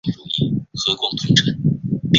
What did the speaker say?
但不久后并发症突发骤逝。